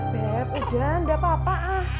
beb udah gak apa apa ah